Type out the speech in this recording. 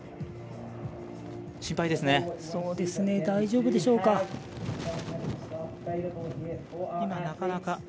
大丈夫でしょうか。